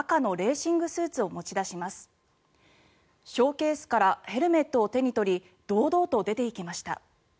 ショーケースからヘルメットを手に取り堂々と出ていきました。